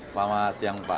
selamat siang pak